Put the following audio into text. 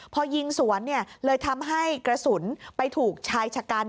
พอยิงสวนเลยทำให้กระสุนไปถูกชายชะกัน